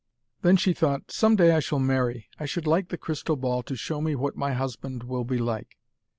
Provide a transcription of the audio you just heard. Then she thought, 'Some day I shall marry. I should like the crystal ball to show me what my husband will be like.'